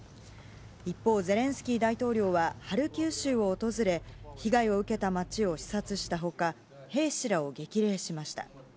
一方、ゼレンスキー大統領はハルキウ州を訪れ、被害を受けた街を視察したほか、兵士らを激励しました。